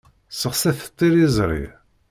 Sexsit tiliẓṛi.